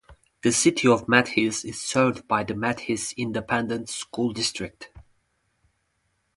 The City of Mathis is served by the Mathis Independent School District.